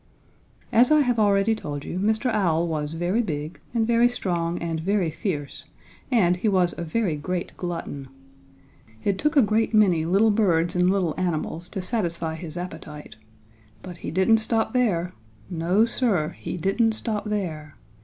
"As I have already told you, Mr. Owl was very big and very strong and very fierce and he was a very great glutton. It took a great many little birds and little animals to satisfy his appetite. But he didn't stop there! No, Sir, he didn't stop there!